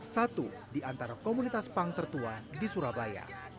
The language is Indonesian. satu di antara komunitas punk tertua di surabaya